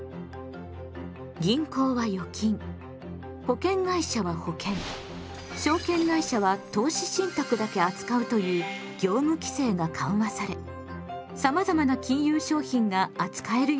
銀行は預金保険会社は保険証券会社は投資信託だけ扱うという業務規制が緩和されさまざまな金融商品が扱えるようになったのです。